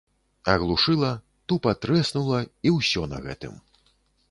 Аглушыла, тупа трэснула, і ўсё на гэтым.